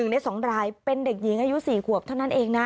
ใน๒รายเป็นเด็กหญิงอายุ๔ขวบเท่านั้นเองนะ